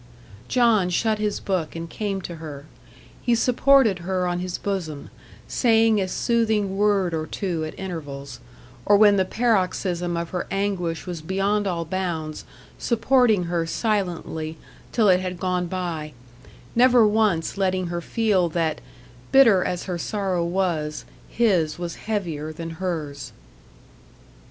John shut his book and came to her. He supported her on his bosom, saying a soothing word or two at intervals, or when the paroxysm of her anguish was beyond all bounds supporting her silently till it had gone by; never once letting her feel that, bitter as her sorrow was, his was heavier than hers.